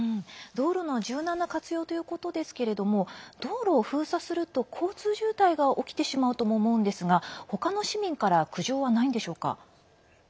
道路の柔軟な活用ですが道路を封鎖すると交通渋滞が起きてしまうとも思うんですが他の市民から苦情はないのでしょうか？